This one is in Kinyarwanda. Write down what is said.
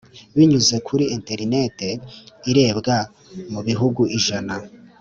binyuze kuri interinete Irebwa mu bihugu ijana